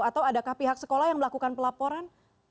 atau adakah pihak sekolah yang melakukan pelaporan